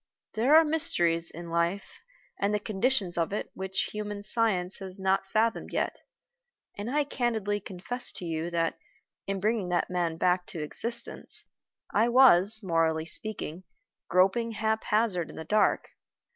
There are mysteries in life and the conditions of it which human science has not fathomed yet; and I candidly confess to you that, in bringing that man back to existence, I was, morally speaking, groping haphazard in the dark.